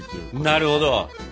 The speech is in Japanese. なるほど。